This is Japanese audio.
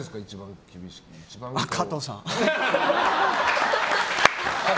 加藤さん。